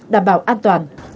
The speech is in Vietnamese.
đảm bảo an toàn